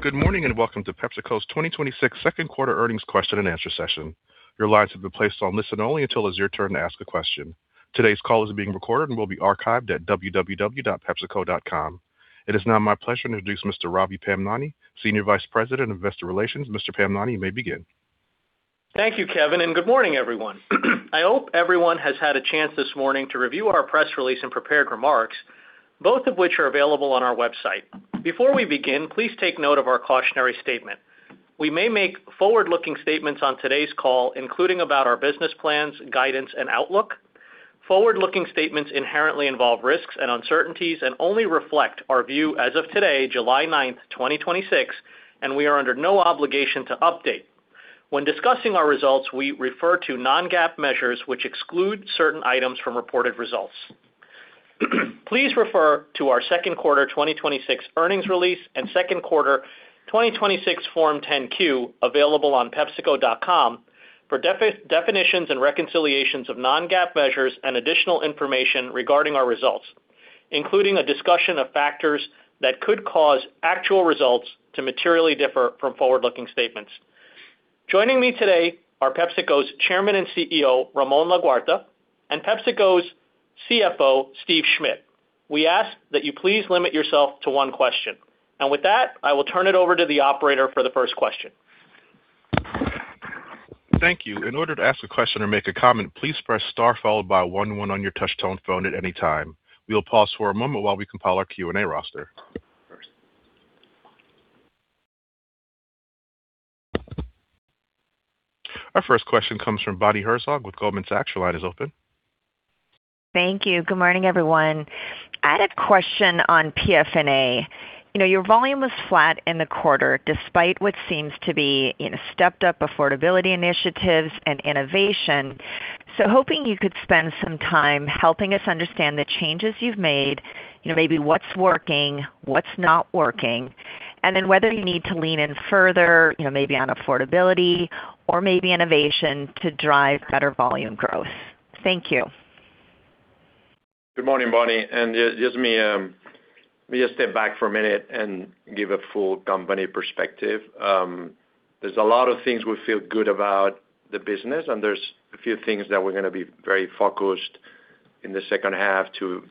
Good morning, welcome to PepsiCo's 2026 second quarter earnings question and answer session. Your lines have been placed on listen only until it is your turn to ask a question. Today's call is being recorded and will be archived at www.pepsico.com. It is now my pleasure to introduce Mr. Ravi Pamnani, Senior Vice President of Investor Relations. Mr. Pamnani, you may begin. Thank you, Kevin, good morning, everyone. I hope everyone has had a chance this morning to review our press release and prepared remarks, both of which are available on our website. Before we begin, please take note of our cautionary statement. We may make forward-looking statements on today's call, including about our business plans, guidance, and outlook. Forward-looking statements inherently involve risks and uncertainties and only reflect our view as of today, July 9th, 2026, and we are under no obligation to update. When discussing our results, we refer to non-GAAP measures which exclude certain items from reported results. Please refer to our second quarter 2026 earnings release and second quarter 2026 Form 10-Q, available on pepsico.com, for definitions and reconciliations of non-GAAP measures and additional information regarding our results, including a discussion of factors that could cause actual results to materially differ from forward-looking statements. Joining me today are PepsiCo's Chairman and CEO, Ramon Laguarta, and PepsiCo's CFO, Steve Schmitt. We ask that you please limit yourself to one question. With that, I will turn it over to the operator for the first question. Thank you. In order to ask a question or make a comment, please press star followed by one one on your touch tone phone at any time. We will pause for a moment while we compile our Q&A roster. Our first question comes from Bonnie Herzog with Goldman Sachs. Your line is open. Thank you. Good morning, everyone. I had a question on PFNA. Your volume was flat in the quarter, despite what seems to be stepped up affordability initiatives and innovation. Hoping you could spend some time helping us understand the changes you've made, maybe what's working, what's not working, and then whether you need to lean in further, maybe on affordability or maybe innovation to drive better volume growth. Thank you. Good morning, Bonnie. Let me just step back for a minute and give a full company perspective. There's a lot of things we feel good about the business, and there's a few things that we're going to be very focused on in the second half to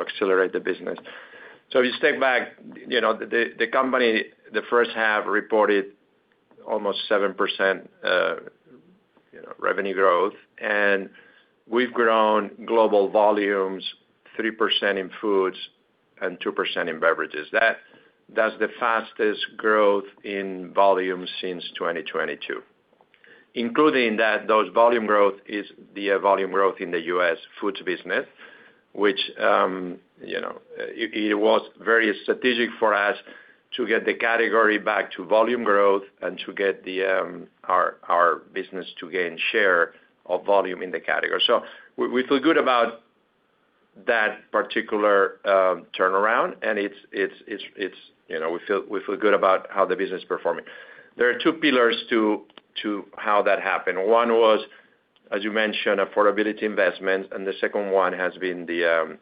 accelerate the business. If you step back, the company, the first half reported almost 7% revenue growth, and we've grown global volumes 3% in foods and 2% in beverages. That's the fastest growth in volume since 2022. Included in that volume growth is the volume growth in the U.S. foods business, which, it was very strategic for us to get the category back to volume growth and to get our business to gain share of volume in the category. We feel good about that particular turnaround, and we feel good about how the business is performing. There are two pillars to how that happened. One was, as you mentioned, affordability investment, and the second one has been the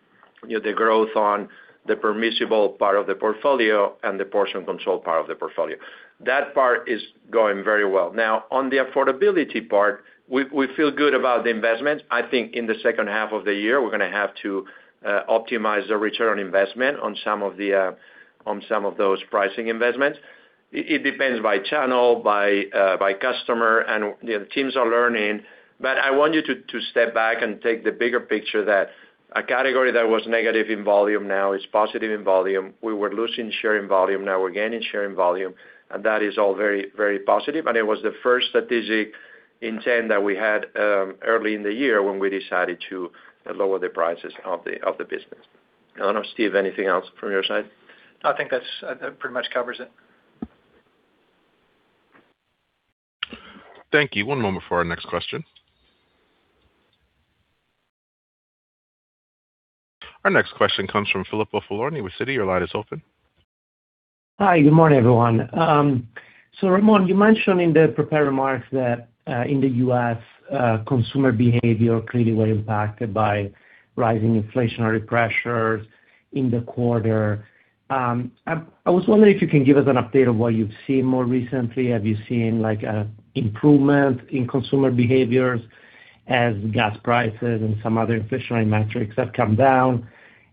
growth on the permissible part of the portfolio and the portion control part of the portfolio. That part is going very well. On the affordability part, we feel good about the investment. I think in the second half of the year, we're going to have to optimize the return on investment on some of those pricing investments. It depends by channel, by customer, and the teams are learning. I want you to step back and take the bigger picture that a category that was negative in volume now is positive in volume. We were losing share in volume. We're gaining share in volume, and that is all very positive, and it was the first strategic intent that we had early in the year when we decided to lower the prices of the business. I don't know, Steve, anything else from your side? I think that pretty much covers it. Thank you. One moment for our next question. Our next question comes from Filippo Falorni with Citi. Your line is open. Hi. Good morning, everyone. Ramon, you mentioned in the prepared remarks that in the U.S., consumer behavior clearly was impacted by rising inflationary pressures in the quarter. I was wondering if you can give us an update of what you've seen more recently. Have you seen an improvement in consumer behaviors as gas prices and some other inflationary metrics have come down?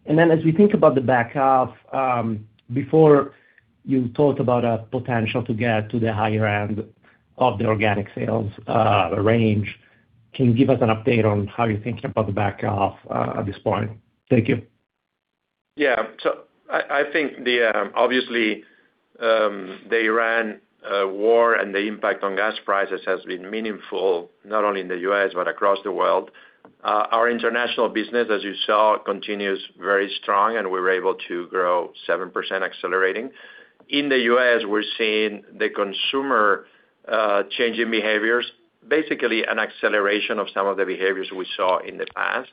As we think about the back half, before you talked about a potential to get to the higher end of the organic sales range. Can you give us an update on how you're thinking about the back half at this point? Thank you. I think, obviously, the Iran war and the impact on gas prices has been meaningful, not only in the U.S., but across the world. Our international business, as you saw, continues very strong, and we were able to grow 7%, accelerating. In the U.S., we're seeing the consumer changing behaviors, basically an acceleration of some of the behaviors we saw in the past.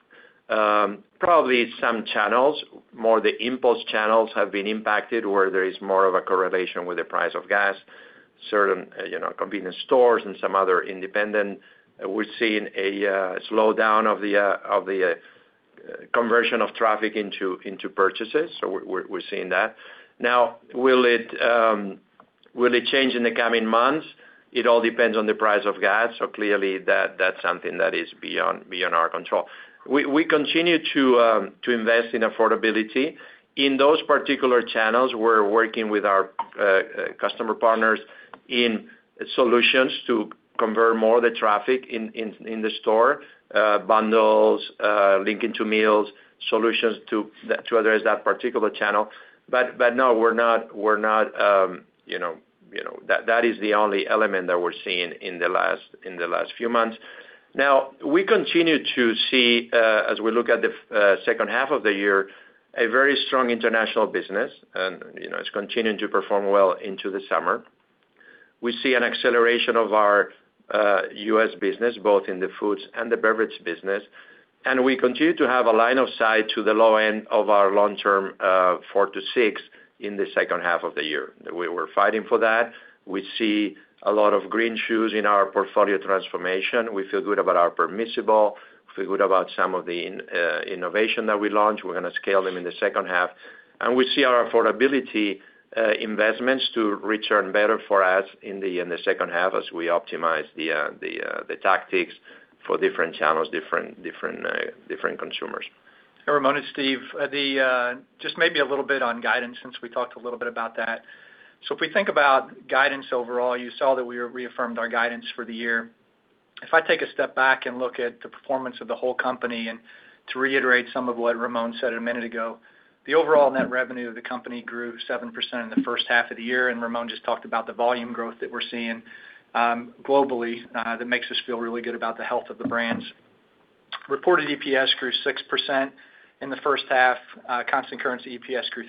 Probably some channels, more the impulse channels, have been impacted, where there is more of a correlation with the price of gas Certain convenience stores and some other independent, we're seeing a slowdown of the conversion of traffic into purchases. We're seeing that. Now, will it change in the coming months? It all depends on the price of gas, clearly that's something that is beyond our control. We continue to invest in affordability. In those particular channels, we're working with our customer partners in solutions to convert more of the traffic in the store, bundles, linking to meals, solutions to address that particular channel. No, that is the only element that we're seeing in the last few months. We continue to see, as we look at the second half of the year, a very strong international business, and it's continuing to perform well into the summer. We see an acceleration of our U.S. business, both in the foods and the beverage business, and we continue to have a line of sight to the low end of our long term, 4%-6%, in the second half of the year. We're fighting for that. We see a lot of green shoots in our portfolio transformation. We feel good about our permissible, feel good about some of the innovation that we launched. We're going to scale them in the second half. We see our affordability investments to return better for us in the second half as we optimize the tactics for different channels, different consumers. Ramon, it's Steve. Just maybe a little bit on guidance since we talked a little bit about that. If we think about guidance overall, you saw that we reaffirmed our guidance for the year. If I take a step back and look at the performance of the whole company, and to reiterate some of what Ramon said a minute ago, the overall net revenue of the company grew 7% in the first half of the year, and Ramon just talked about the volume growth that we're seeing globally that makes us feel really good about the health of the brands. Reported EPS grew 6% in the first half. Constant currency EPS grew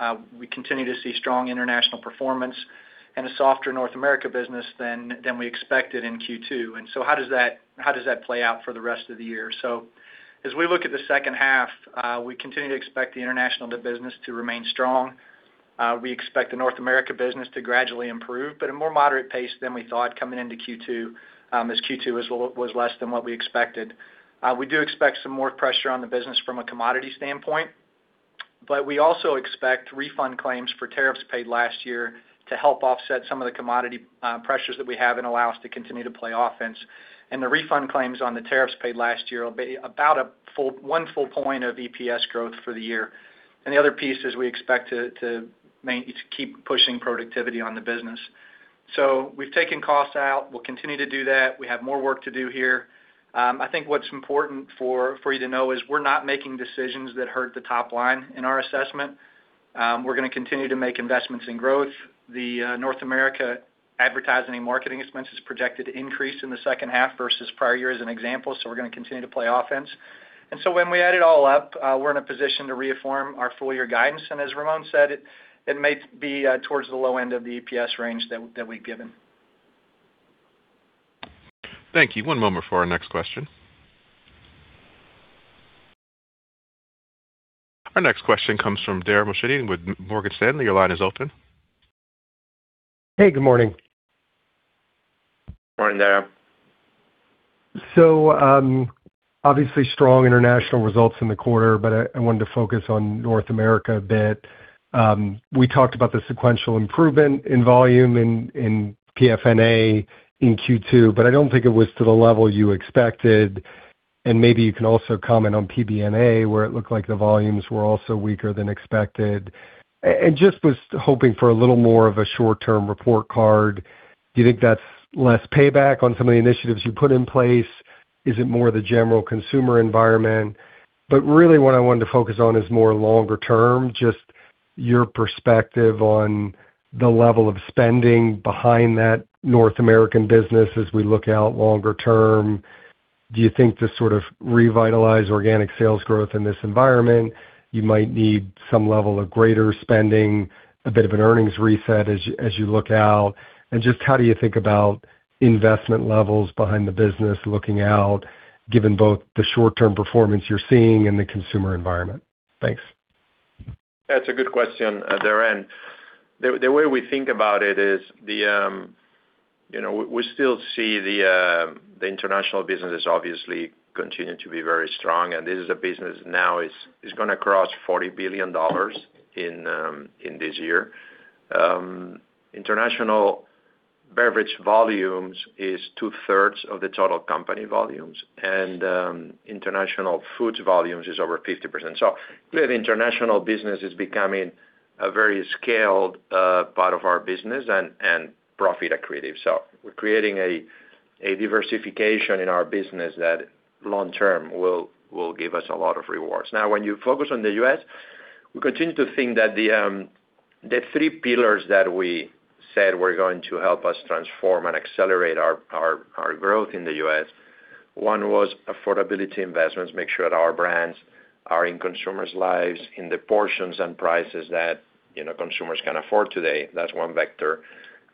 3%. We continue to see strong international performance and a softer North America business than we expected in Q2. How does that play out for the rest of the year? As we look at the second half, we continue to expect the international net business to remain strong. We expect the North America business to gradually improve, a more moderate pace than we thought coming into Q2, as Q2 was less than what we expected. We do expect some more pressure on the business from a commodity standpoint, we also expect refund claims for tariffs paid last year to help offset some of the commodity pressures that we have and allow us to continue to play offense. The refund claims on the tariffs paid last year will be about 1 full point of EPS growth for the year. The other piece is we expect to keep pushing productivity on the business. We've taken costs out. We'll continue to do that. We have more work to do here. I think what's important for you to know is we're not making decisions that hurt the top line in our assessment. We're going to continue to make investments in growth. The North America advertising and marketing expense is projected to increase in the second half versus prior year as an example, we're going to continue to play offense. When we add it all up, we're in a position to reaffirm our full-year guidance, and as Ramon said, it may be towards the low end of the EPS range that we've given. Thank you. One moment for our next question. Our next question comes from Dara Mohsenian with Morgan Stanley. Your line is open. Hey, good morning. Morning, Dara. Obviously strong international results in the quarter, I wanted to focus on North America a bit. We talked about the sequential improvement in volume in PFNA in Q2, but I don't think it was to the level you expected, and maybe you can also comment on PBNA, where it looked like the volumes were also weaker than expected. Just was hoping for a little more of a short-term report card. Do you think that's less payback on some of the initiatives you put in place? Is it more the general consumer environment? Really what I wanted to focus on is more longer term, just your perspective on the level of spending behind that North American business as we look out longer term. Do you think to sort of revitalize organic sales growth in this environment, you might need some level of greater spending, a bit of an earnings reset as you look out? Just how do you think about investment levels behind the business looking out, given both the short-term performance you're seeing and the consumer environment? Thanks. That's a good question, Dara. The way we think about it is we still see the international business has obviously continued to be very strong, this is a business now is going to cross $40 billion in this year. International beverage volumes is two-thirds of the total company volumes, international foods volumes is over 50%. Clearly the international business is becoming a very scaled part of our business and profit accretive. We're creating a diversification in our business that long term will give us a lot of rewards. When you focus on the U.S., we continue to think that the three pillars that we said were going to help us transform and accelerate our growth in the U.S.. One was affordability investments, make sure that our brands are in consumers' lives in the portions and prices that consumers can afford today. That's one vector.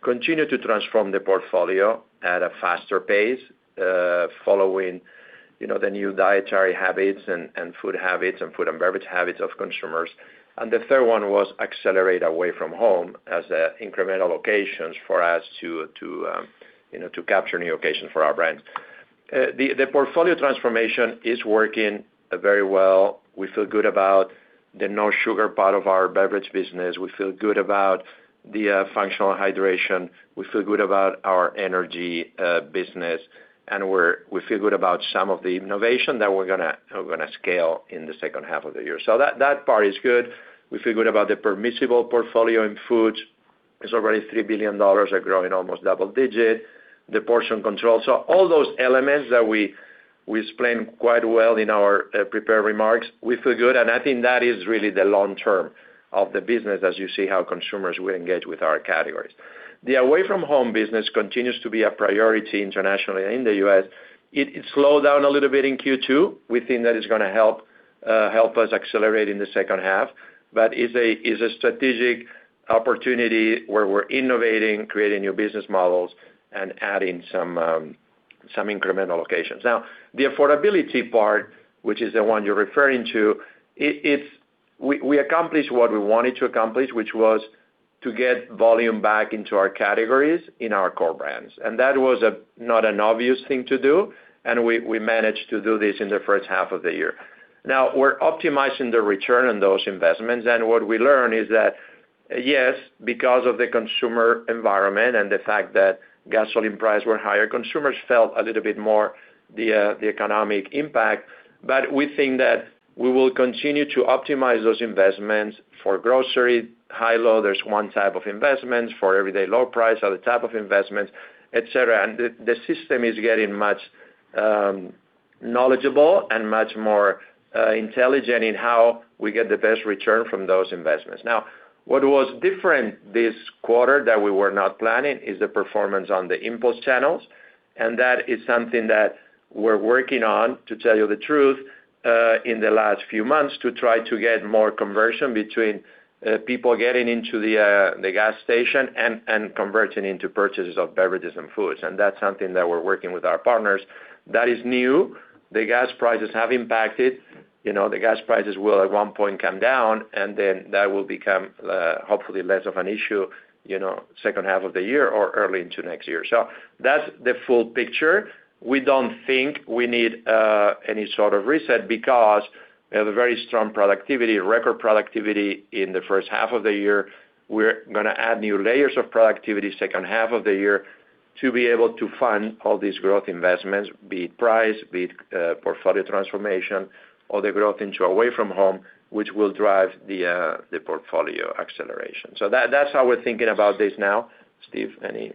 Continue to transform the portfolio at a faster pace, following the new dietary habits and food habits and food and beverage habits of consumers. The third one was accelerate away from home as incremental locations for us to capture new locations for our brands. The portfolio transformation is working very well. We feel good about the no sugar part of our beverage business. We feel good about the functional hydration. We feel good about our energy business, and we feel good about some of the innovation that we're going to scale in the second half of the year. That part is good. We feel good about the permissible portfolio in foods. It's already $3 billion and growing almost double digit, the portion control. All those elements that we explained quite well in our prepared remarks, we feel good, and I think that is really the long-term of the business as you see how consumers will engage with our categories. The away from home business continues to be a priority internationally and in the U.S. It slowed down a little bit in Q2. We think that is going to help us accelerate in the second half. It's a strategic opportunity where we're innovating, creating new business models, and adding some incremental locations. The affordability part, which is the one you're referring to, we accomplished what we wanted to accomplish, which was to get volume back into our categories in our core brands. That was not an obvious thing to do, and we managed to do this in the first half of the year. We're optimizing the return on those investments, and what we learn is that, yes, because of the consumer environment and the fact that gasoline prices were higher, consumers felt a little bit more the economic impact. We think that we will continue to optimize those investments for grocery, high low, there's type 1 investment, for everyday low price, other type of investments, et cetera. The system is getting much knowledgeable and much more intelligent in how we get the best return from those investments. What was different this quarter that we were not planning is the performance on the impulse channels. That is something that we're working on, to tell you the truth, in the last few months to try to get more conversion between people getting into the gas station and converting into purchases of beverages and foods. That's something that we're working with our partners. That is new. The gas prices have impacted. The gas prices will at one point come down, and then that will become, hopefully, less of an issue second half of the year or early into next year. That's the full picture. We don't think we need any sort of reset because we have a very strong productivity, record productivity in the first half of the year. We're going to add new layers of productivity second half of the year to be able to fund all these growth investments. Be it price, be it portfolio transformation, or the growth into away from home, which will drive the portfolio acceleration. That's how we're thinking about this now. Steve, any? I think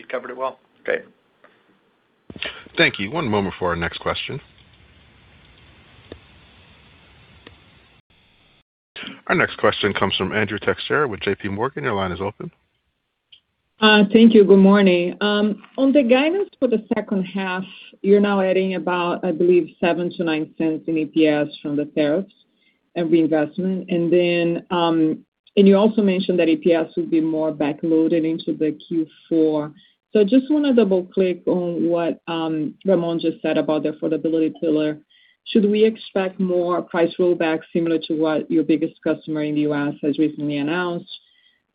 you've covered it well. Okay. Thank you. One moment for our next question. Our next question comes from Andrea Teixeira with JPMorgan. Your line is open. Thank you. Good morning. On the guidance for the second half, you're now adding about, I believe, $0.07-$0.09 in EPS from the tariffs and reinvestment. You also mentioned that EPS would be more back-loaded into the Q4. Just want to double-click on what Ramon just said about the affordability pillar. Should we expect more price rollbacks similar to what your biggest customer in the U.S. has recently announced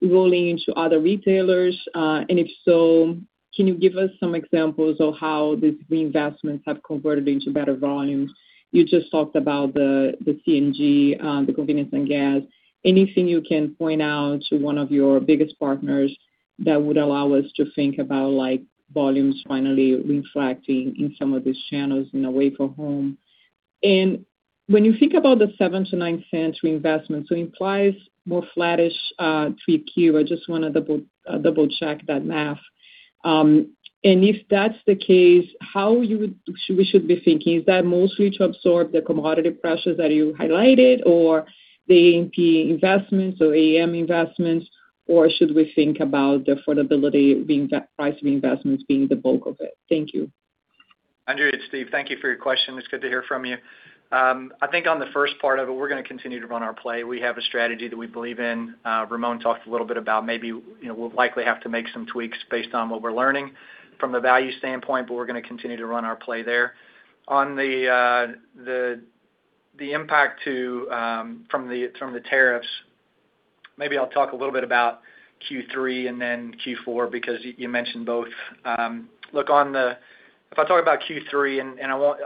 rolling into other retailers? If so, can you give us some examples of how these reinvestments have converted into better volumes? You just talked about the C&G, the convenience and gas. Anything you can point out to one of your biggest partners that would allow us to think about volumes finally reflecting in some of these channels in away from home. When you think about the $0.07-$0.09 reinvestment, so implies more flattish 3Q. I just want to double-check that math. If that's the case, how we should be thinking, is that mostly to absorb the commodity pressures that you highlighted or the A&P investments or A&M investments, or should we think about the affordability price reinvestments being the bulk of it? Thank you. Andrea, it's Steve. Thank you for your question. It's good to hear from you. I think on the first part of it, we're going to continue to run our play. We have a strategy that we believe in. Ramon talked a little bit about maybe we'll likely have to make some tweaks based on what we're learning from the value standpoint, but we're going to continue to run our play there. On the impact from the tariffs, maybe I'll talk a little bit about Q3 and then Q4 because you mentioned both. If I talk about Q3, and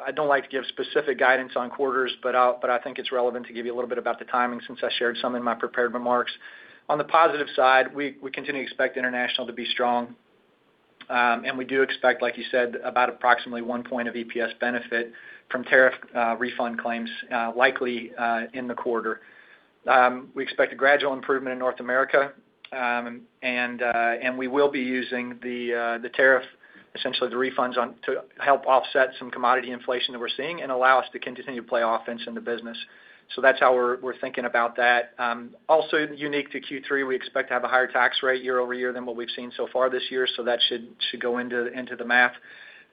I don't like to give specific guidance on quarters, but I think it's relevant to give you a little bit about the timing since I shared some in my prepared remarks. On the positive side, we continue to expect international to be strong. We do expect, like you said, about approximately 1 point of EPS benefit from tariff refund claims likely in the quarter. We expect a gradual improvement in North America, and we will be using the tariff, essentially the refunds to help offset some commodity inflation that we're seeing and allow us to continue to play offense in the business. That's how we're thinking about that. Also unique to Q3, we expect to have a higher tax rate year-over-year than what we've seen so far this year, so that should go into the math.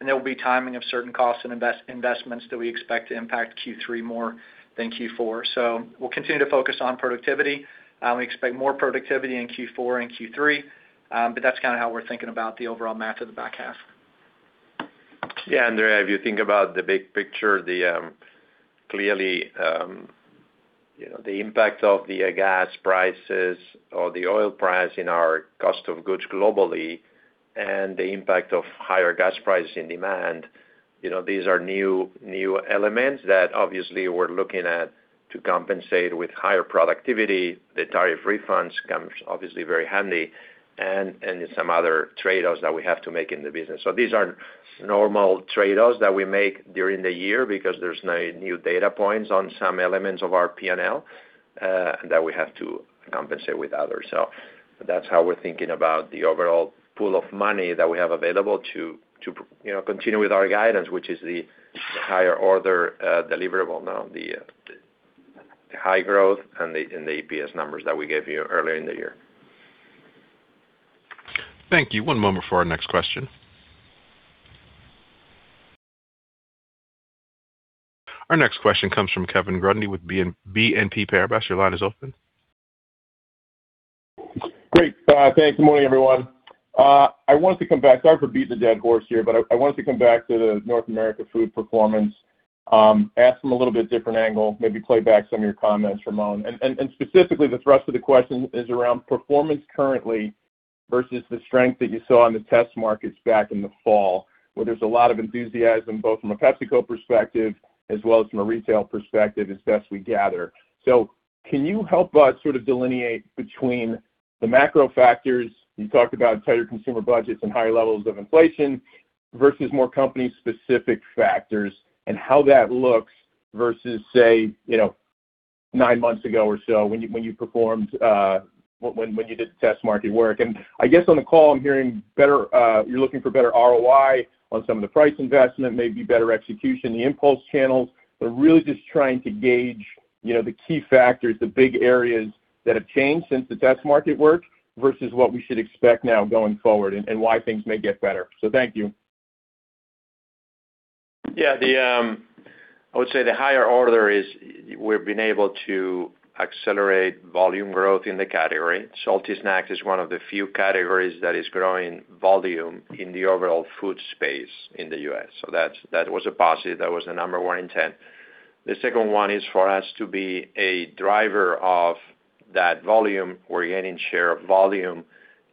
There will be timing of certain costs and investments that we expect to impact Q3 more than Q4. We'll continue to focus on productivity. We expect more productivity in Q4 and Q3. That's how we're thinking about the overall math of the back half. Yeah, Andrea, if you think about the big picture, clearly, the impact of the gas prices or the oil price in our cost of goods globally and the impact of higher gas prices in demand, these are new elements that obviously we're looking at to compensate with higher productivity. The tariff refunds comes obviously very handy and in some other trade-offs that we have to make in the business. These are normal trade-offs that we make during the year because there's no new data points on some elements of our P&L that we have to compensate with others. That's how we're thinking about the overall pool of money that we have available to continue with our guidance, which is the higher order deliverable now, the high growth and the EPS numbers that we gave you earlier in the year. Thank you. One moment for our next question. Our next question comes from Kevin Grundy with BNP Paribas. Your line is open. Great. Thanks. Good morning, everyone. Sorry for beating a dead horse here, I wanted to come back to the North America food performance, ask from a little bit different angle, maybe play back some of your comments, Ramon. Specifically, the thrust of the question is around performance currently versus the strength that you saw on the test markets back in the fall, where there's a lot of enthusiasm, both from a PepsiCo perspective as well as from a retail perspective, as best we gather. Can you help us sort of delineate between the macro factors, you talked about tighter consumer budgets and higher levels of inflation, versus more company specific factors and how that looks versus, say, nine months ago or so when you did the test market work. I guess on the call, I'm hearing you're looking for better ROI on some of the price investment, maybe better execution in the impulse channels. Really just trying to gauge the key factors, the big areas that have changed since the test market work versus what we should expect now going forward, and why things may get better. Thank you. Yeah. I would say the higher order is we've been able to accelerate volume growth in the category. Salty snacks is one of the few categories that is growing volume in the overall food space in the U.S. That was a positive. That was the number one intent. The second one is for us to be a driver of that volume. We're gaining share of volume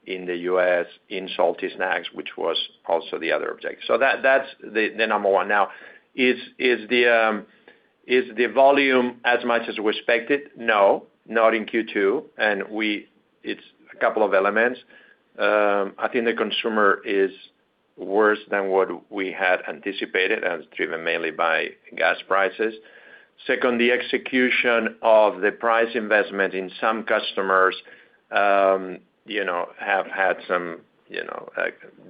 in the U.S. in salty snacks, which was also the other objective. That's the number one. Is the volume as much as we expected? No, not in Q2. It's a couple of elements. I think the consumer is worse than what we had anticipated and it's driven mainly by gas prices. Second, the execution of the price investment in some customers have had some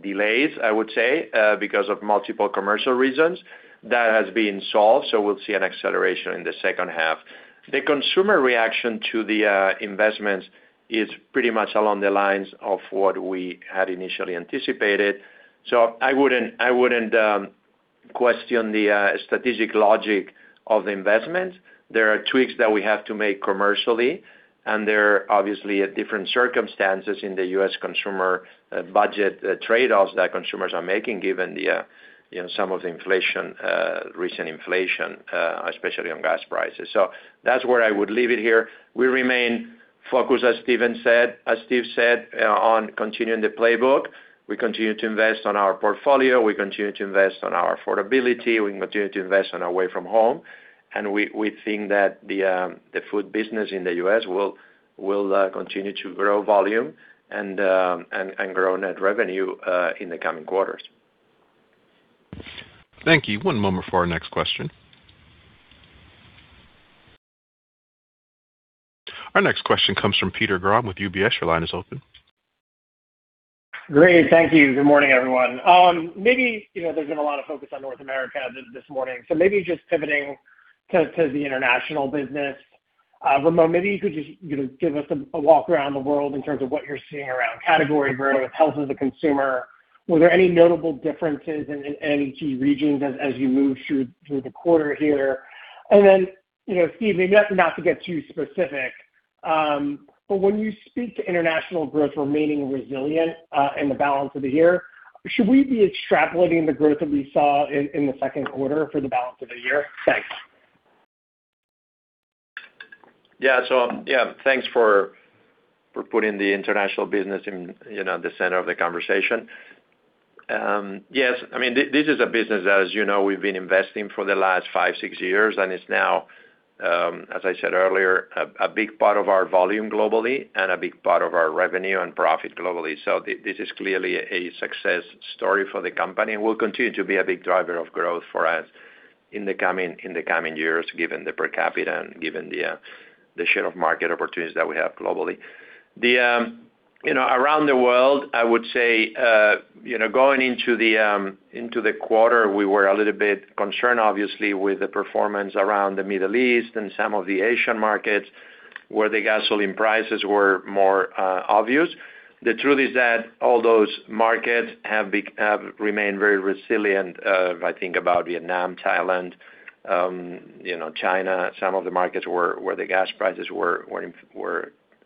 delays, I would say, because of multiple commercial reasons. That has been solved, so we'll see an acceleration in the second half. The consumer reaction to the investments is pretty much along the lines of what we had initially anticipated. I wouldn't question the strategic logic of the investment. There are tweaks that we have to make commercially, and there are obviously different circumstances in the U.S. consumer budget trade-offs that consumers are making given some of the recent inflation, especially on gas prices. That's where I would leave it here. We remain focused, as Steve said, on continuing the playbook. We continue to invest on our portfolio. We continue to invest on our affordability. We continue to invest on our way from home. We think that the food business in the U.S. will continue to grow volume and grow net revenue, in the coming quarters. Thank you. One moment for our next question. Our next question comes from Peter Grom with UBS. Your line is open. Great. Thank you. Good morning, everyone. There's been a lot of focus on North America this morning, so maybe just pivoting to the international business. Ramon, maybe you could just give us a walk around the world in terms of what you're seeing around category growth, health of the consumer. Were there any notable differences in any key regions as you move through the quarter here? Steve, maybe not to get too specific, but when you speak to international growth remaining resilient, in the balance of the year, should we be extrapolating the growth that we saw in the second quarter for the balance of the year? Thanks. Yeah. Thanks for putting the international business in the center of the conversation. Yes, this is a business, as you know, we've been investing for the last five, six years, and it's now, as I said earlier, a big part of our volume globally and a big part of our revenue and profit globally. This is clearly a success story for the company and will continue to be a big driver of growth for us in the coming years, given the per capita and given the share of market opportunities that we have globally. Around the world, I would say, going into the quarter, we were a little bit concerned, obviously, with the performance around the Middle East and some of the Asian markets, where the gasoline prices were more obvious. The truth is that all those markets have remained very resilient. If I think about Vietnam, Thailand, China, some of the markets where the gas prices were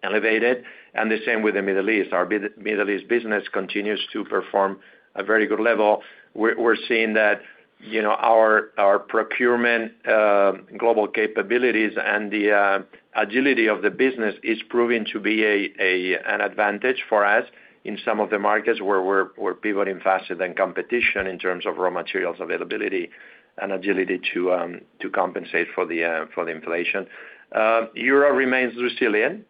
elevated, and the same with the Middle East. Our Middle East business continues to perform a very good level. We're seeing that our procurement global capabilities and the agility of the business is proving to be an advantage for us in some of the markets where we're pivoting faster than competition in terms of raw materials availability and agility to compensate for the inflation. Europe remains resilient,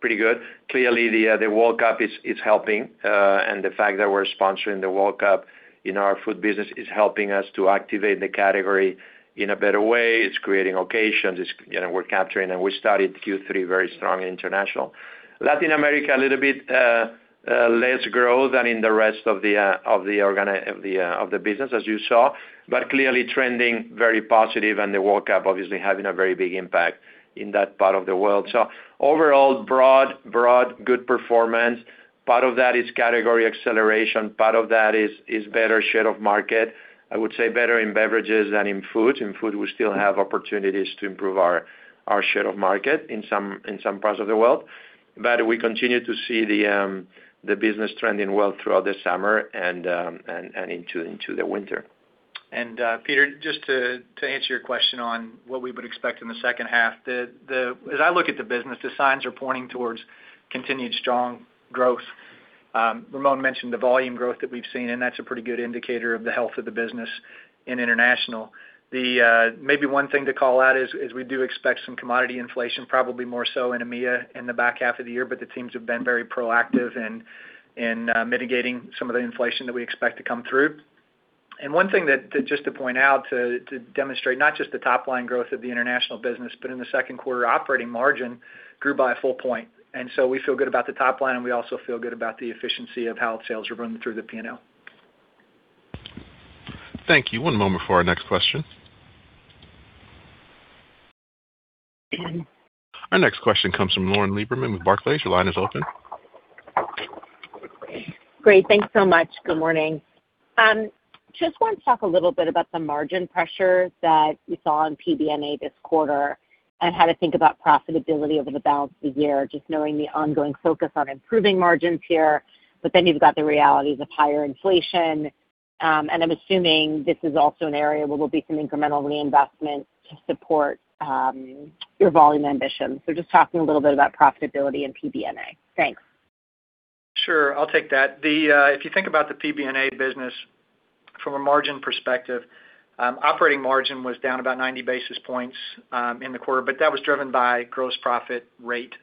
pretty good. Clearly, the World Cup is helping, and the fact that we're sponsoring the World Cup in our food business is helping us to activate the category in a better way. It's creating occasions, we're capturing, and we started Q3 very strong in international. Latin America, a little bit less growth than in the rest of the business, as you saw, clearly trending very positive and the World Cup obviously having a very big impact in that part of the world. Overall, broad good performance. Part of that is category acceleration. Part of that is better share of market. I would say better in beverages than in food. In food, we still have opportunities to improve our share of market in some parts of the world. We continue to see the business trending well throughout the summer and into the winter. Peter, just to answer your question on what we would expect in the second half. As I look at the business, the signs are pointing towards continued strong growth. Ramon mentioned the volume growth that we've seen, that's a pretty good indicator of the health of the business in international. Maybe one thing to call out is we do expect some commodity inflation, probably more so in EMEA in the back half of the year, the teams have been very proactive in mitigating some of the inflation that we expect to come through. One thing just to point out to demonstrate not just the top-line growth of the international business, but in the second quarter, operating margin grew by a full point. We feel good about the top line, and we also feel good about the efficiency of how sales are running through the P&L. Thank you. One moment for our next question. Our next question comes from Lauren Lieberman with Barclays. Your line is open. Great. Thanks so much. Good morning. I just want to talk a little bit about the margin pressure that we saw in PBNA this quarter and how to think about profitability over the balance of the year, just knowing the ongoing focus on improving margins here, you've got the realities of higher inflation. I'm assuming this is also an area where there will be some incremental reinvestment to support your volume ambitions. Just talking a little bit about profitability and PBNA. Thanks. Sure. I'll take that. If you think about the PBNA business from a margin perspective, operating margin was down about 90 basis points in the quarter, that was driven by gross profit rate.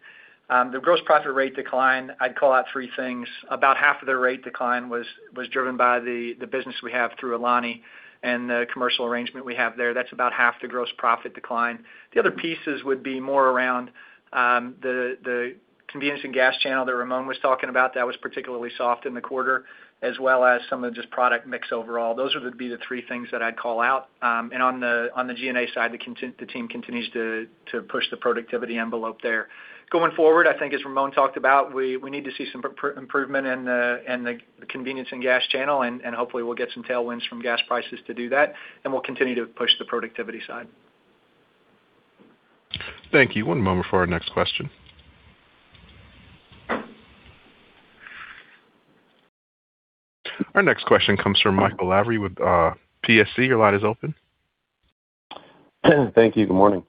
The gross profit rate decline, I'd call out three things. About half of their rate decline was driven by the business we have through Alani and the commercial arrangement we have there. That's about half the gross profit decline. The other pieces would be more around the convenience and gas channel that Ramon was talking about that was particularly soft in the quarter, as well as some of just product mix overall. Those would be the three things that I'd call out. On the G&A side, the team continues to push the productivity envelope there. Going forward, I think as Ramon talked about, we need to see some improvement in the convenience and gas channel. Hopefully we'll get some tailwinds from gas prices to do that. We'll continue to push the productivity side. Thank you. One moment for our next question. Our next question comes from Michael Lavery with Piper Sandler. Your line is open. Thank you. Good morning.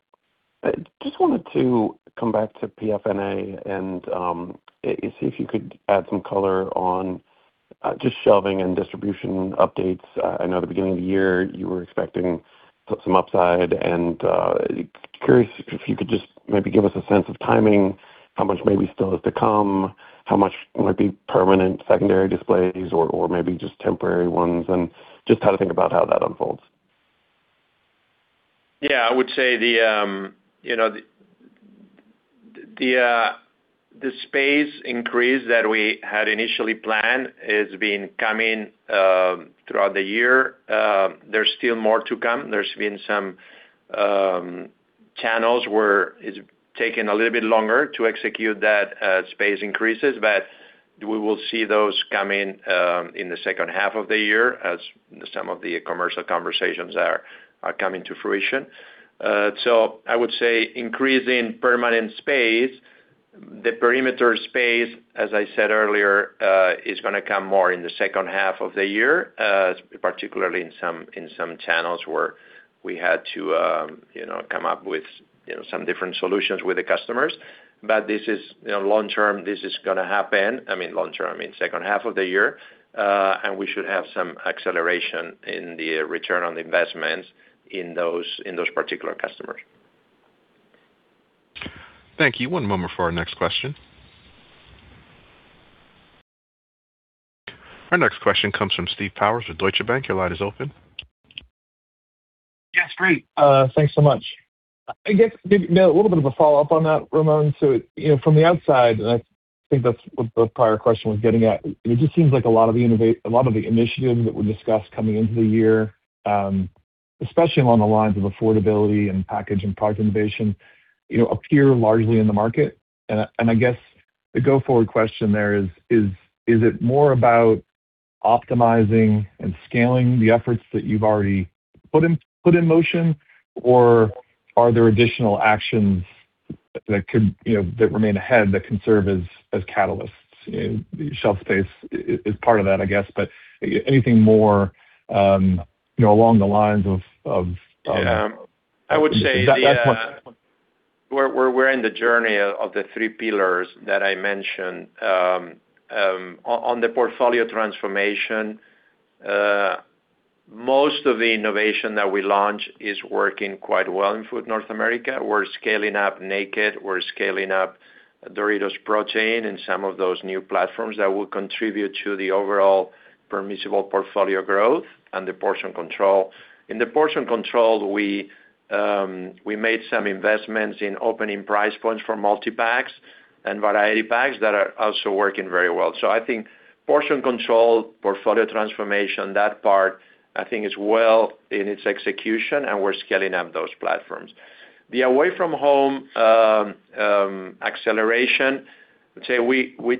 Just wanted to come back to PFNA and see if you could add some color on just shelving and distribution updates. I know at the beginning of the year, you were expecting some upside, and curious if you could just maybe give us a sense of timing, how much maybe still is to come, how much might be permanent secondary displays or maybe just temporary ones, and just how to think about how that unfolds. Yeah, I would say the space increase that we had initially planned has been coming throughout the year. There's still more to come. There's been some channels where it's taken a little bit longer to execute that space increases, We will see those coming in the second half of the year as some of the commercial conversations are coming to fruition. I would say increase in permanent space, the perimeter space, as I said earlier, is going to come more in the second half of the year, particularly in some channels where we had to come up with some different solutions with the customers. Long-term, this is going to happen. I mean, long-term in second half of the year, we should have some acceleration in the return on investments in those particular customers. Thank you. One moment for our next question. Our next question comes from Steve Powers with Deutsche Bank. Your line is open. Yes, great. Thanks so much. I guess maybe a little bit of a follow-up on that, Ramon. From the outside, I think that's what the prior question was getting at, it just seems like a lot of the initiatives that were discussed coming into the year Especially along the lines of affordability and package and product innovation, appear largely in the market. I guess the go forward question there is it more about optimizing and scaling the efforts that you've already put in motion, or are there additional actions that remain ahead that can serve as catalysts? Shelf space is part of that, I guess. Anything more, along the lines of that point. We're in the journey of the three pillars that I mentioned. On the portfolio transformation, most of the innovation that we launch is working quite well in Food North America. We're scaling up Naked, we're scaling up Doritos protein and some of those new platforms that will contribute to the overall permissible portfolio growth and the portion control. In the portion control, we made some investments in opening price points for multi-packs and variety packs that are also working very well. I think portion control, portfolio transformation, that part, I think is well in its execution and we're scaling up those platforms. The away from home acceleration, let's say There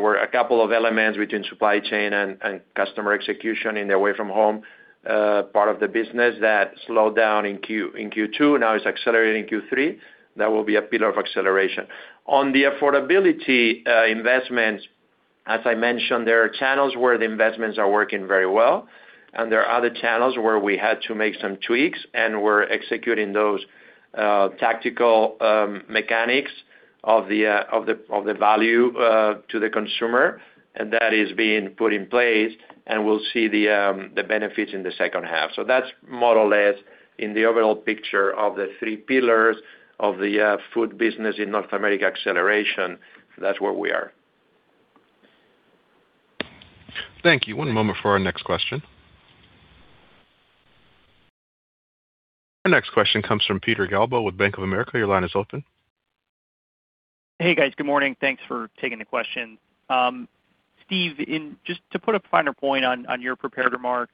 were a couple of elements between supply chain and customer execution in the away from home part of the business that slowed down in Q2, now it's accelerating in Q3. That will be a pillar of acceleration. On the affordability investments, as I mentioned, there are channels where the investments are working very well, and there are other channels where we had to make some tweaks, and we're executing those tactical mechanics of the value to the consumer. That is being put in place and we'll see the benefits in the second half. That's more or less in the overall picture of the three pillars of the food business in North America acceleration. That's where we are. Thank you. One moment for our next question. Our next question comes from Peter Galbo with Bank of America. Your line is open. Hey, guys. Good morning. Thanks for taking the question. Steve, just to put a finer point on your prepared remarks,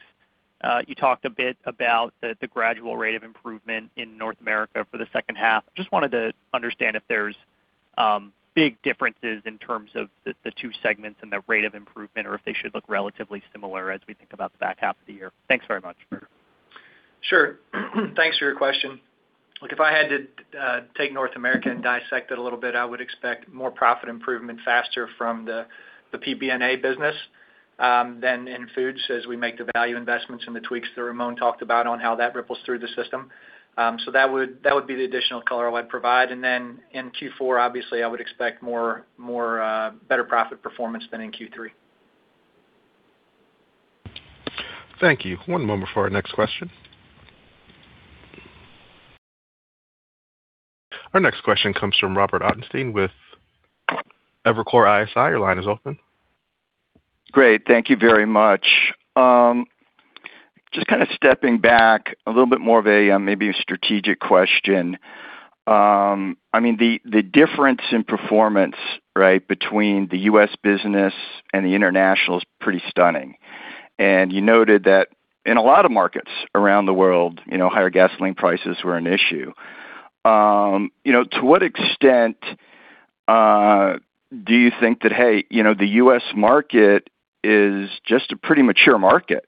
you talked a bit about the gradual rate of improvement in North America for the second half. Just wanted to understand if there's big differences in terms of the two segments and the rate of improvement, or if they should look relatively similar as we think about the back half of the year. Thanks very much. Sure. Thanks for your question. Look, if I had to take North America and dissect it a little bit, I would expect more profit improvement faster from the PBNA business than in foods as we make the value investments and the tweaks that Ramon talked about on how that ripples through the system. That would be the additional color I would provide. In Q4, obviously I would expect more better profit performance than in Q3. Thank you. One moment for our next question. Our next question comes from Robert Ottenstein with Evercore ISI. Your line is open. Great. Thank you very much. Just kind of stepping back, a little bit more of maybe a strategic question. The difference in performance between the U.S. business and the international is pretty stunning. You noted that in a lot of markets around the world, higher gasoline prices were an issue. To what extent do you think that, hey, the U.S. market is just a pretty mature market.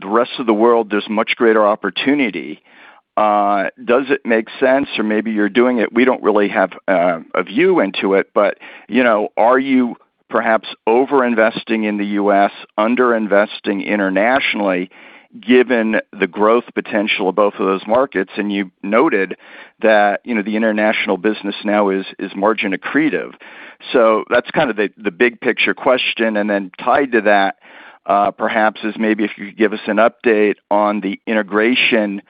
The rest of the world, there's much greater opportunity. Does it make sense or maybe you're doing it, we don't really have a view into it, but are you perhaps overinvesting in the U.S., underinvesting internationally given the growth potential of both of those markets? You noted that the international business now is margin accretive. That's the big picture question. Tied to that, perhaps is maybe if you could give us an update on the integration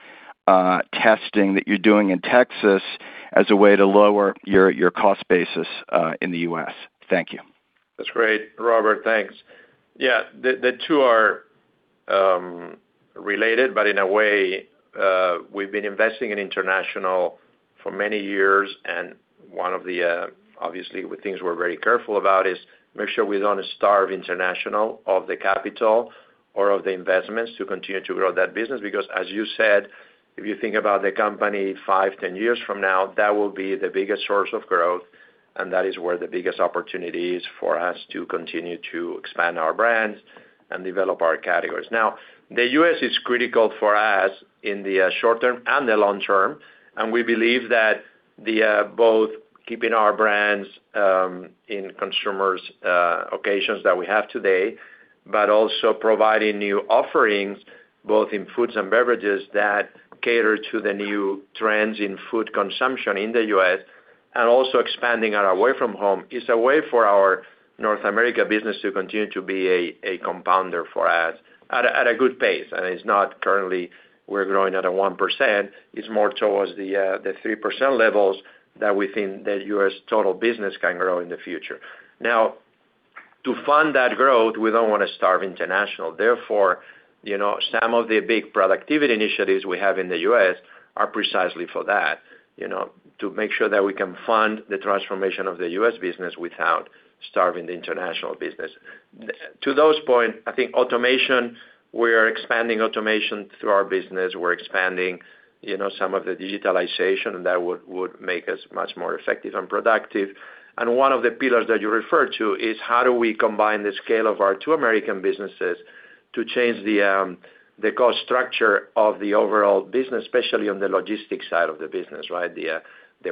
testing that you're doing in Texas as a way to lower your cost basis in the U.S. Thank you. That's great, Robert, thanks. The two are related, but in a way, we've been investing in international for many years, and one of the, obviously, things we're very careful about is make sure we don't starve international of the capital or of the investments to continue to grow that business. Because as you said, if you think about the company five, 10 years from now, that will be the biggest source of growth, and that is where the biggest opportunity is for us to continue to expand our brands and develop our categories. The U.S. is critical for us in the short term and the long term, and we believe that both keeping our brands in consumers' occasions that we have today, but also providing new offerings both in foods and beverages that cater to the new trends in food consumption in the U.S., and also expanding our away from home, is a way for our North America business to continue to be a compounder for us at a good pace. And it's not currently we're growing at a 1%, it's more towards the 3% levels that we think the U.S. total business can grow in the future. To fund that growth, we don't want to starve international. Some of the big productivity initiatives we have in the U.S. are precisely for that. To make sure that we can fund the transformation of the U.S. business without starving the international business. To that point, I think automation, we are expanding automation through our business. We're expanding some of the digitalization that would make us much more effective and productive. One of the pillars that you refer to is how do we combine the scale of our two American businesses to change the cost structure of the overall business, especially on the logistics side of the business, right? The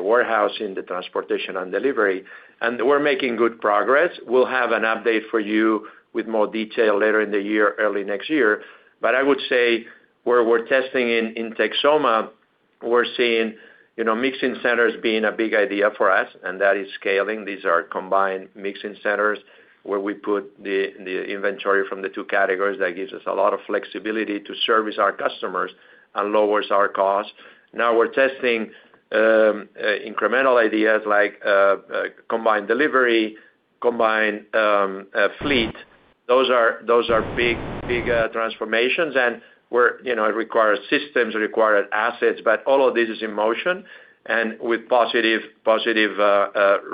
warehousing, the transportation, and delivery. We're making good progress. We'll have an update for you with more detail later in the year, early next year. I would say where we're testing in Texoma, we are seeing mixing centers being a big idea for us, and that is scaling. These are combined mixing centers where we put the inventory from the two categories. That gives us a lot of flexibility to service our customers and lowers our cost. We are testing incremental ideas like combined delivery, combined fleet. Those are big transformations, and it requires systems, it requires assets, but all of this is in motion and with positive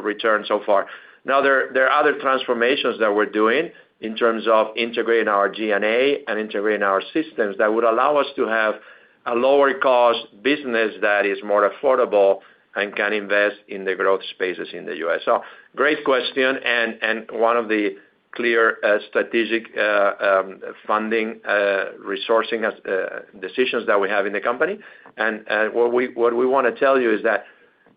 return so far. There are other transformations that we are doing in terms of integrating our G&A and integrating our systems that would allow us to have a lower cost business that is more affordable and can invest in the growth spaces in the U.S. Great question and one of the clear strategic funding, resourcing decisions that we have in the company. What we want to tell you is that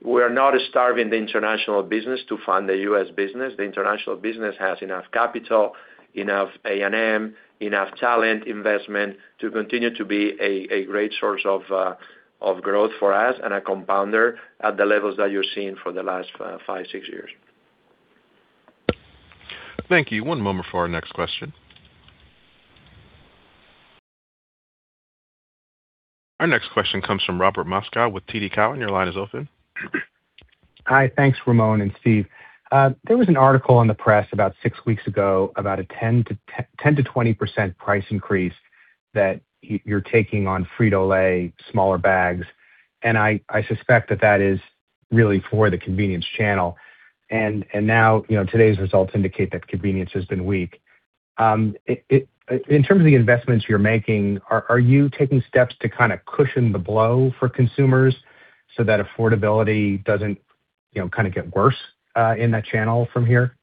we are not starving the international business to fund the U.S. business. The international business has enough capital, enough A&M, enough talent, investment to continue to be a great source of growth for us and a compounder at the levels that you are seeing for the last five, six years. Thank you. One moment for our next question. Our next question comes from Robert Moskow with TD Cowen. Your line is open. Hi. Thanks, Ramon and Steve. There was an article in the press about six weeks ago about a 10%-20% price increase that you are taking on Frito-Lay smaller bags, and I suspect that that is really for the convenience channel. Today's results indicate that convenience has been weak. In terms of the investments you are making, are you taking steps to kind of cushion the blow for consumers so that affordability doesn't get worse in that channel from here?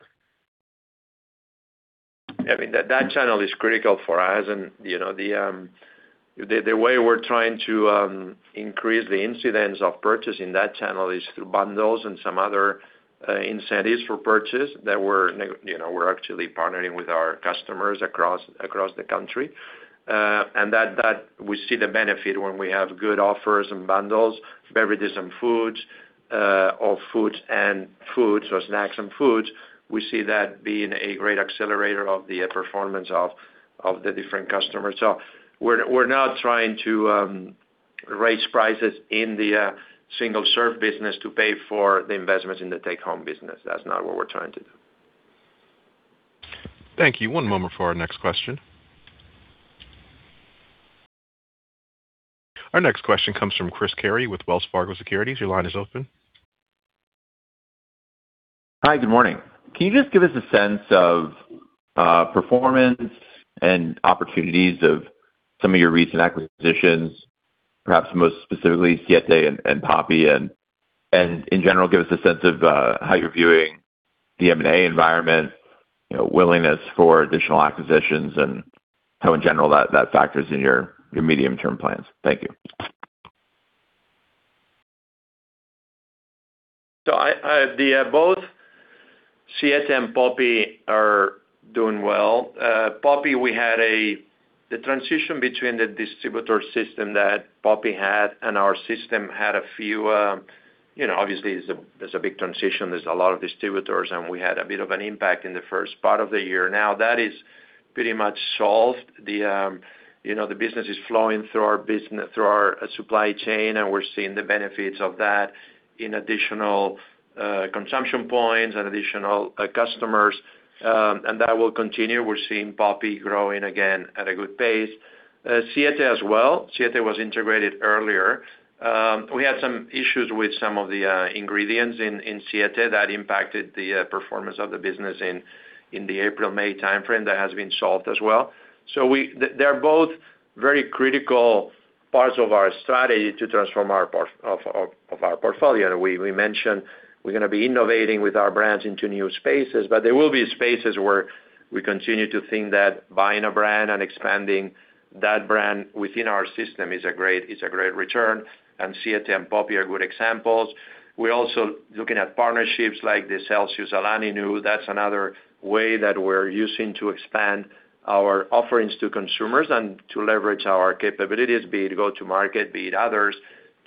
Yeah, that channel is critical for us. The way we're trying to increase the incidence of purchase in that channel is through bundles and some other incentives for purchase that we're actually partnering with our customers across the country. That we see the benefit when we have good offers and bundles, beverages and foods, or foods or snacks and foods, we see that being a great accelerator of the performance of the different customers. We're not trying to raise prices in the single-serve business to pay for the investments in the take-home business. That's not what we're trying to do. Thank you. One moment for our next question. Our next question comes from Chris Carey with Wells Fargo Securities. Your line is open. Hi, good morning. Can you just give us a sense of performance and opportunities of some of your recent acquisitions, perhaps most specifically Siete and poppi, and in general, give us a sense of how you're viewing the M&A environment, willingness for additional acquisitions, and how in general that factors in your medium-term plans. Thank you. Both Siete and poppi are doing well. poppi, the transition between the distributor system that poppi had and our system. Obviously, there's a big transition. There's a lot of distributors, and we had a bit of an impact in the first part of the year. Now that is pretty much solved. The business is flowing through our supply chain, and we're seeing the benefits of that in additional consumption points and additional customers, and that will continue. We're seeing poppi growing again at a good pace. Siete as well. Siete was integrated earlier. We had some issues with some of the ingredients in Siete that impacted the performance of the business in the April, May timeframe. That has been solved as well. They're both very critical parts of our strategy to transform of our portfolio. We mentioned we're going to be innovating with our brands into new spaces, but there will be spaces where we continue to think that buying a brand and expanding that brand within our system is a great return, and Siete and poppi are good examples. We're also looking at partnerships like the Celsius and Alani Nu. That's another way that we're using to expand our offerings to consumers and to leverage our capabilities, be it go to market, be it others.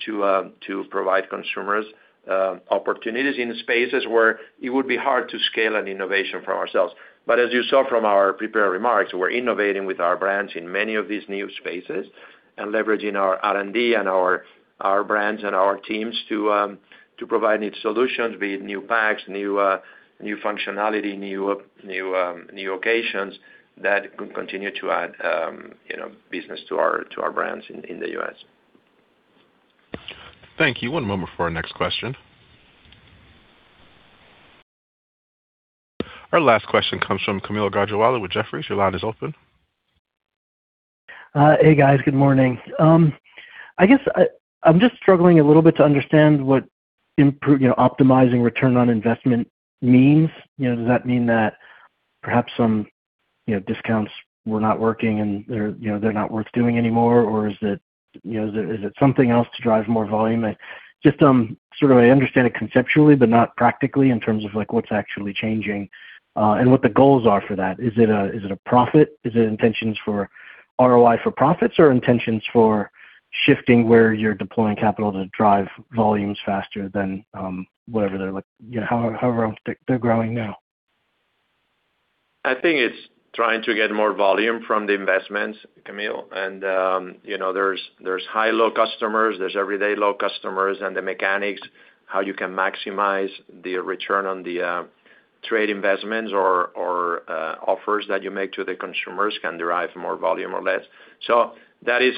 To provide consumers opportunities in spaces where it would be hard to scale an innovation from ourselves. As you saw from our prepared remarks, we're innovating with our brands in many of these new spaces and leveraging our R&D and our brands and our teams to provide new solutions, be it new packs, new functionality, new occasions that continue to add business to our brands in the U.S. Thank you. One moment for our next question. Our last question comes from Kaumil Gajrawala with Jefferies. Your line is open. Hey, guys. Good morning. I guess I'm just struggling a little bit to understand what optimizing return on investment means. Does that mean that perhaps some discounts were not working and they're not worth doing anymore? Is it something else to drive more volume? I understand it conceptually, but not practically in terms of what's actually changing and what the goals are for that. Is it a profit? Is it intentions for ROI for profits or intentions for shifting where you're deploying capital to drive volumes faster than however they're growing now? I think it's trying to get more volume from the investments, Kaumil. There's high-low customers, there's everyday low customers, and the mechanics, how you can maximize the return on the trade investments or offers that you make to the consumers can derive more volume or less. That is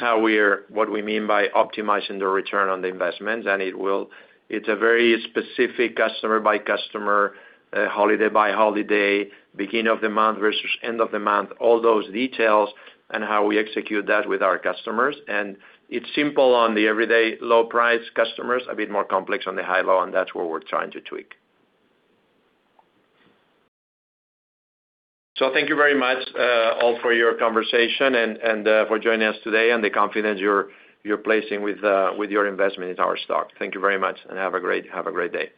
what we mean by optimizing the return on the investment. It's a very specific customer by customer, holiday by holiday, beginning of the month versus end of the month, all those details and how we execute that with our customers. It's simple on the everyday low price customers, a bit more complex on the high-low, and that's where we're trying to tweak. Thank you very much all for your conversation and for joining us today and the confidence you're placing with your investment in our stock. Thank you very much and have a great day.